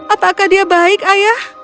apakah dia baik ayah